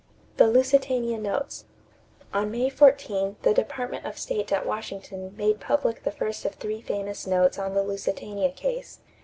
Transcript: =The Lusitania Notes.= On May 14, the Department of State at Washington made public the first of three famous notes on the Lusitania case.